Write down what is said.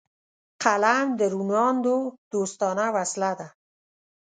قلم د روڼ اندو دوستانه وسله ده